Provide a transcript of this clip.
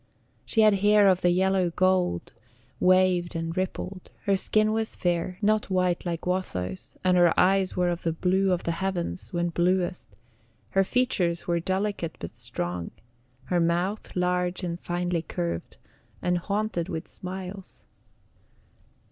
She had hair of the yellow gold, waved and rippled; her skin was fair, not white like Watho's, and her eyes were of the blue of the heavens when bluest; her features were delicate but strong, her mouth large and finely curved, and haunted with smiles.